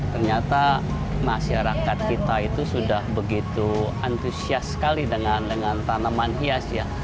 ternyata masyarakat kita itu sudah begitu antusias sekali dengan tanaman hias ya